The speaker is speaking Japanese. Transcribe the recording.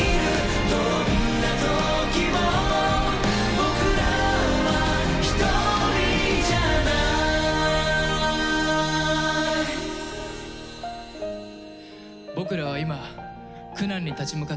僕らは今苦難に立ち向かっています。